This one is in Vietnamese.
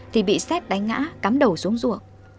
thì bị xét đánh ngã cắm đầu xuống ruộng